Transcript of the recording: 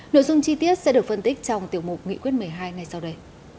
nội dung chi tiết sẽ được phân tích trong tiểu mục nghị quyết một mươi hai ngay sau đây